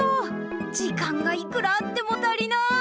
時間がいくらあっても足りない！